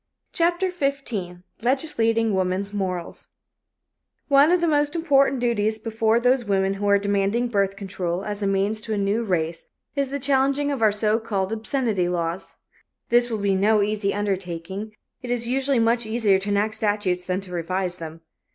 CHAPTER XV LEGISLATING WOMAN'S MORALS One of the important duties before those women who are demanding birth control as a means to a New Race is the changing of our so called obscenity laws. This will be no easy undertaking; it is usually much easier to enact statutes than to revise them.